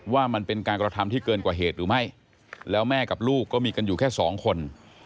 ว่ามันเป็นการกระทำที่เกินกว่าเหตุหรือไม่แล้วแม่กับลูกก็มีกันอยู่แค่สองคน